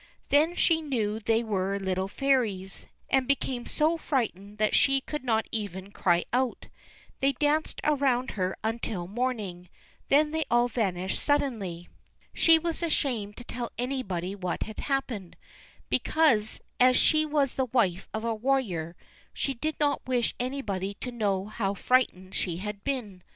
Then she knew they were little fairies, and became so frightened that she could not even cry out. They danced around her until morning; then they all vanished suddenly. She was ashamed to tell anybody what had happened, because, as she was the wife of a warrior, she did not wish anybody to know how frightened she had been.